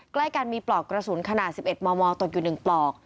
ใกล้กันมีปลอกกระสุนขนาด๑๑มมตกอยู่๑ปลอก